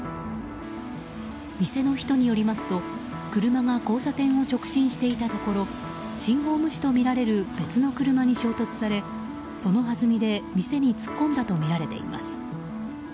店の人によりますと車が交差点を直進していたところ信号無視とみられる別の車に衝突されそのはずみで、店に突っ込んだとみられています。